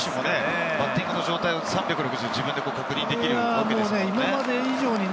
バッティングの状態を３６０度、確認できるわけですからね。